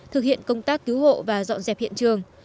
thực hiện công tác cứu hộ và dọn dẹp hiện trường